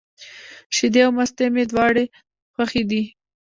شیدې او مستې مي دواړي خوښي دي.